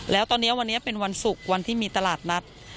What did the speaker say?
แล้วตอนนี้วันนี้เป็นวันศุกร์วันที่มีตลาดนัด